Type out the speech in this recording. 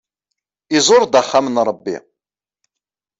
Iẓur-d axxam n Ṛebbi.